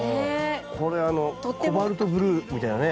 これコバルトブルーみたいなね